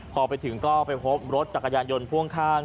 พอไปถึงก็ไปพบรถจักรยานยนต์พ่วงข้าง